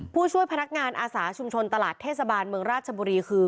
ผู้ช่วยพนักงานอาสาชุมชนตลาดเทศบาลเมืองราชบุรีคือ